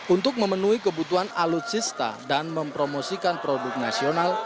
untuk memenuhi kebutuhan alutsista dan mempromosikan produk nasional